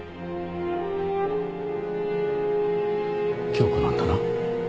京子なんだな？